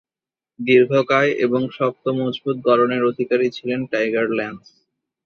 দীর্ঘাকায় ও শক্ত-মজবুত গড়নের অধিকারী ছিলেন টাইগার ল্যান্স।